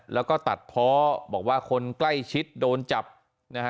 แล้วก็ตัดเพาะบอกว่าคนใกล้ชิดโดนจับนะฮะ